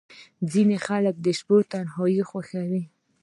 • ځینې خلک د شپې تنهايي خوښوي.